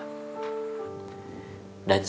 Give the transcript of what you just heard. dan saya diberitahu